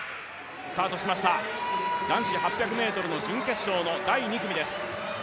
スタートしました、男子８００ｍ準決勝第２組です。